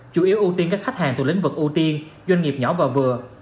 chủ yếu ưu tiên các khách hàng thuộc lĩnh vực ưu tiên doanh nghiệp nhỏ và vừa